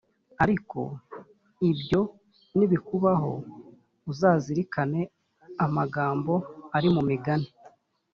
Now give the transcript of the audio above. ariko ibyo nibikubaho uzazirikane amagambo ari mu migani